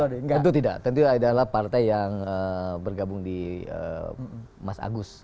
tentu tidak tentu adalah partai yang bergabung di mas agus